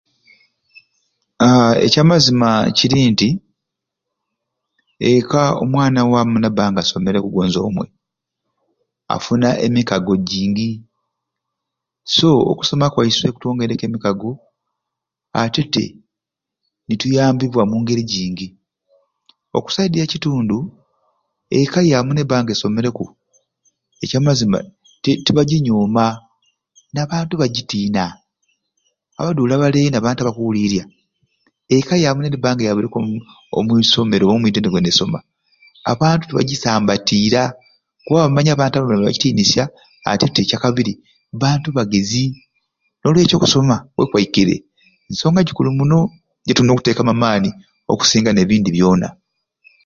Aaa ekyamazima kiri nti eka omwana waamu naba nga asomereku gonza omwe afuna emikago gingi so okusoma kwaiswe kutwongeireku emikago atete ne tuyambibwa omu ngeri gingi oku sayidi ya kitundu eka yaamu nebba nga esomereku ekyamazima ti tibaginyooma n'abantu bagitiina abaduuli abali eyo n'abantu abakuwuliirya eka yaamu niyalibba nga eyabireku omu omwisomero oba omwitendekero n'esoma abantu tibagisambatiira kuba bamanya abantu bakitiinisya ate te ekyakabiri bantu bagezi n'olwekyo okusoma wekwaikire nsonga gikulu muno gyetulina okuteekamu amaani okusinga n'ebindi byona.